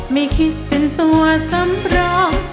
ไม่คิดเป็นตัวสำรอง